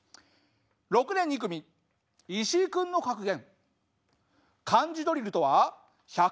６年２組イシイ君の格言。